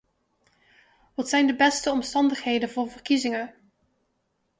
Wat zijn de beste omstandigheden voor verkiezingen?